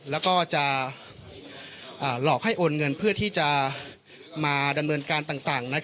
แล้วก็จะหลอกให้โอนเงินเพื่อที่จะมาดำเนินการต่าง